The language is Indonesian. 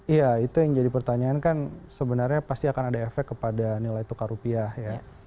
iya itu yang jadi pertanyaan kan sebenarnya pasti akan ada efek kepada nilai tukar rupiah ya